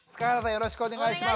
よろしくお願いします。